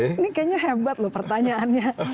ini kayaknya hebat loh pertanyaannya